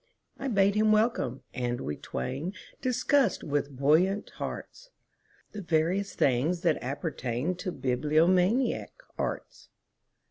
I bade him welcome, and we twainDiscussed with buoyant heartsThe various things that appertainTo bibliomaniac arts.